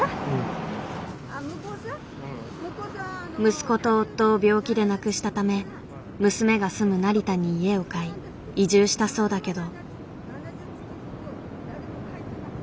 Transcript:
息子と夫を病気で亡くしたため娘が住む成田に家を買い移住したそうだけど。